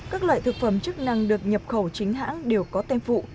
các loại thực phẩm chức năng được nhập khẩu chính hãng đều có tem phụ